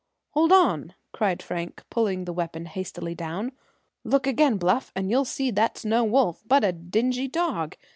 "Hold on!" cried Frank, pulling the weapon hastily down. "Look again, Bluff, and you'll see that's no wolf, but a dingy dog.